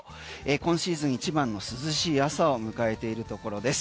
今シーズン一番の涼しい朝を迎えているところです。